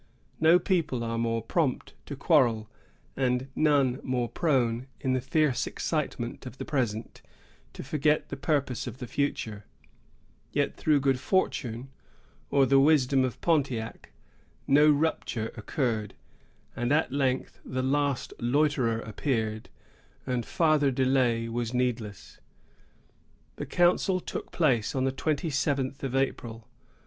No people are more prompt to quarrel, and none more prone, in the fierce excitement of the present, to forget the purpose of the future; yet, through good fortune, or the wisdom of Pontiac, no rupture occurred; and at length the last loiterer appeared, and farther delay was needless. The council took place on the twenty seventh of April.